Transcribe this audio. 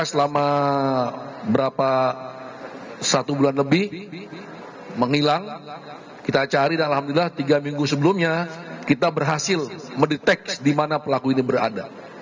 selama berapa satu bulan lebih menghilang kita cari dan alhamdulillah tiga minggu sebelumnya kita berhasil mendeteksi di mana pelaku ini berada